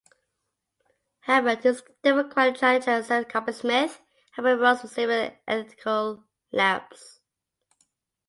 However, his Democratic challenger, Sam Coppersmith, hammered Rhodes for several ethical lapses.